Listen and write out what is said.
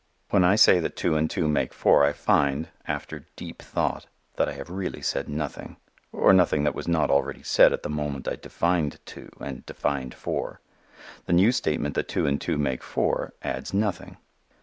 When I say that two and two make four I find, after deep thought, that I have really said nothing, or nothing that was not already said at the moment I defined two and defined four. The new statement that two and two make four adds nothing.